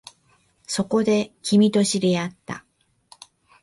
そこで、君と知り合った